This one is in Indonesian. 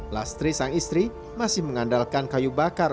lastri sang istri masih mengandalkan kayu bakar